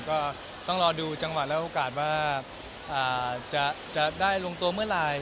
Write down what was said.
ก็ต้องรอดูจังหวะและโอกาสว่าจะได้ลงตัวเมื่อไหร่